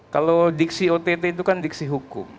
kalau diksi ott itu kan diksi hukum